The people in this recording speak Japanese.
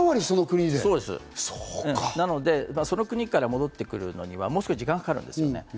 その国から戻ってくるのにはもう少し時間がかかるんですよね。